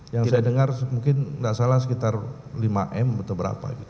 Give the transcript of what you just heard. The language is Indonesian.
yang saya dengar mungkin nggak salah sekitar lima m atau berapa gitu